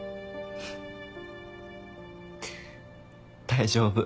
大丈夫。